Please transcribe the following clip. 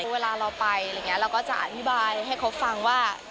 เวลาเราไปอะไรอย่างนี้เราก็จะอธิบายให้เขาฟังว่า